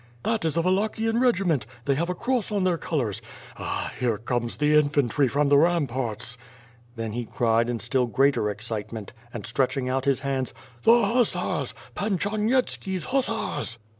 "That is a Wallachian regiment! They have a cross on their colors!'^ "Ah! here comes the infantry from the ramparts!" Then he cried in still greater excitement and, stretching out his hands: "The hussars! Pan Charnyetski's hussars!"